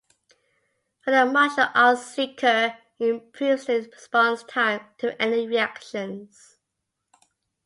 Where the martial art seeker improves their response time to any reactions.